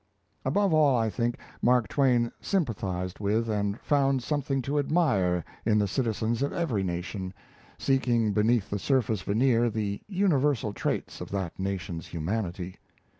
Above all, I think, Mark Twain sympathized with and found something to admire in the citizens of every nation, seeking beneath the surface veneer the universal traits of that nation's humanity.